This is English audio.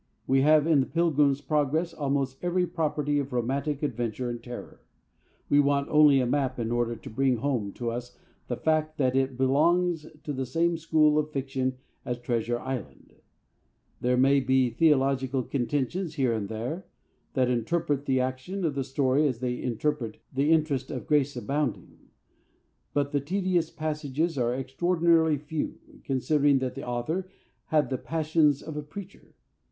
We have in The Pilgrim's Progress almost every property of romantic adventure and terror. We want only a map in order to bring home to us the fact that it belongs to the same school of fiction as Treasure Island. There may be theological contentions here and there that interrupt the action of the story as they interrupt the interest of Grace Abounding. But the tedious passages are extraordinarily few, considering that the author had the passions of a preacher.